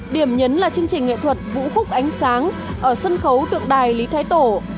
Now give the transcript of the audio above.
điểm nhấn là chương trình nghệ thuật vũ khúc ánh sáng ở sân khấu trượng đài lý thái tổ